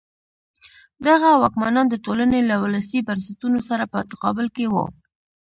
دغه واکمنان د ټولنې له ولسي بنسټونو سره په تقابل کې وو.